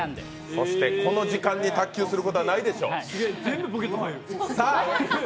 そしてこの時間に卓球することはないでしょう。